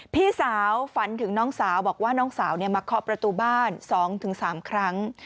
พี่สาวฝันถึงน้องสาวบอกว่าน้องสาวมาเคาะประตูบ้าน๒๓ครั้ง